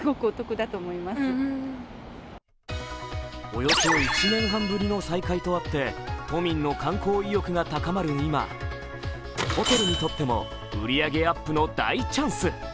およそ１年半ぶりの再開とあって都民の観光意欲が高まる今、ホテルにとっても、売り上げアップの大チャンス。